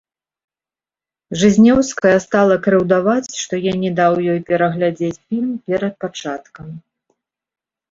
Жызнеўская стала крыўдаваць, што я не даў ёй пераглядзець фільм перад пачаткам.